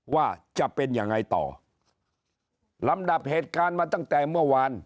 ว่าจะเป็นยังไงต่อลำดับเหตุการณ์มาตั้งแต่เมื่อวาน